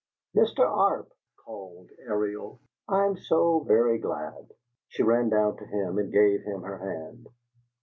"Mr. Arp!" called Ariel. "I am so very glad!" She ran down to him and gave him her hand.